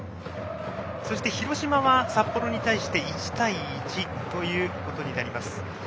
そして、広島は札幌に対して１対１ということになります。